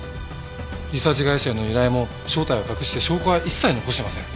リサーチ会社への依頼も正体を隠して証拠は一切残してません。